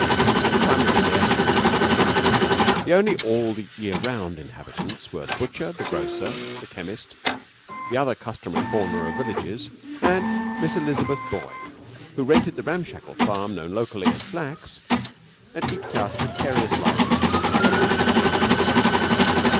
At the time of the death of Mr Ira Nutcombe, the only all the year round inhabitants were the butcher, the grocer, the chemist, the other customary fauna of villages, and Miss Elizabeth Boyd, who rented the ramshackle farm known locally as Flack's and eked out a precarious livelihood by keeping bees.